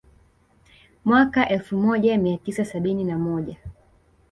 Mwaka elfumoja miatisa sabini na moja